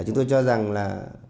chúng tôi cho rằng là